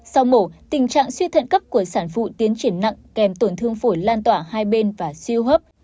sau mổ tình trạng suy thận cấp của sản phụ tiến triển nặng kèm tổn thương phổi lan tỏa hai bên và siêu hấp